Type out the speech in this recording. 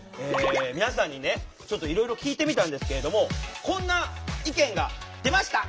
皆さんにねちょっといろいろ聞いてみたんですけれどもこんな意見が出ました！